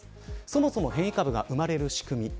そもそも変異株が生まれる仕組み。